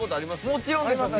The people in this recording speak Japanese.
もちろんですよ。